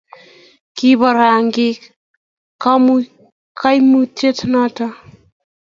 kibo rangik kaimutie noto